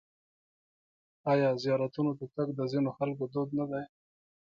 آیا زیارتونو ته تګ د ځینو خلکو دود نه دی؟